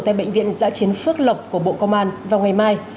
tại bệnh viện giã chiến phước lộc của bộ công an vào ngày mai